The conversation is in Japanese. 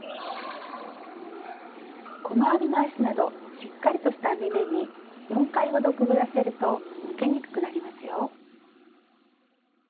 細編みの足などしっかりとした編み目に４回ほどくぐらせると抜けにくくなりますよ。